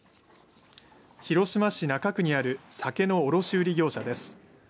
広島市中区にある酒の卸売業者です。